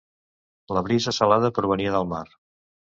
La brisa salada provenia del mar.